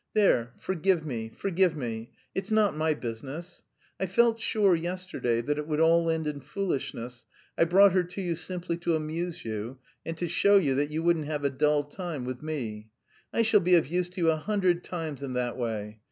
There, forgive me, forgive me; it's not my business. I felt sure yesterday that it would all end in foolishness. I brought her to you simply to amuse you, and to show you that you wouldn't have a dull time with me. I shall be of use to you a hundred times in that way.